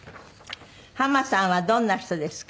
「浜さんはどんな人ですか？」